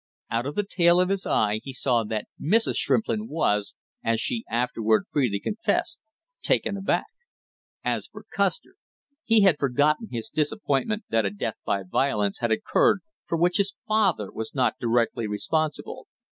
Out of the tail of his eye he saw that Mrs. Shrimplin was, as she afterward freely confessed, taken aback. As for Custer, he had forgotten his disappointment that a death by violence had occurred for which his father was not directly responsible.